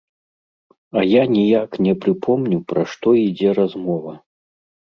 А я ніяк не прыпомню, пра што ідзе размова.